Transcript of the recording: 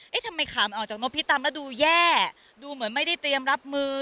ทำไมขามันออกจากนกพิตำแล้วดูแย่ดูเหมือนไม่ได้เตรียมรับมือ